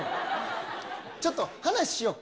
ちょっと、話しようっか。